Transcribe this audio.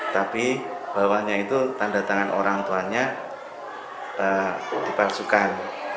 tapi bawahnya itu tanda tangan orang tuanya dipalsukan